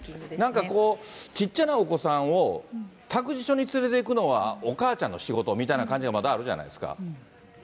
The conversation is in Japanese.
なんかこう、小っちゃなお子さんを、託児所に連れていくのはお母ちゃんの仕事みたいな感じがまだあるじゃないですか。